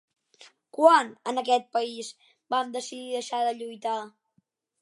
Quan, en aquest país, vam decidim deixar de lluitar?